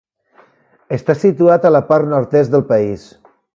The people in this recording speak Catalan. Està situat a la part nord-est del país.